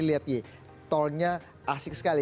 lihat tolnya asik sekali